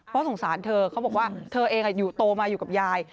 เพราะสงสารเธอเขาบอกว่าเธอเองอยู่โตมาอยู่กับยาย